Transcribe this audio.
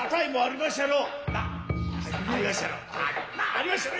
ありまっしゃろ。